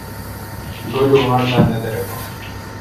گو لماٹ دا نہ دریباں۔